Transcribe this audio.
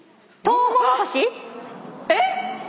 えっ！？